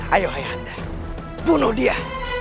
ayo ayah anda bunuh dia